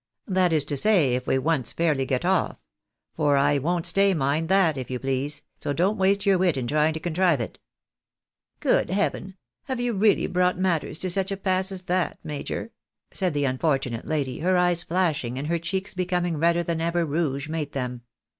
That is to say, if we once fairly get off ; for I won't stay, mind that, if you please, so don't waste your wit in tryuig to contrive it." " Good heaveif! have you really brought matters to such a pass as that, major?" said the unfortunate lady, her eyes flashing and her cheeks becoming redder than ever rouge made them.